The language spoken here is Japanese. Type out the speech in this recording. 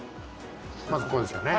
まずここですよね。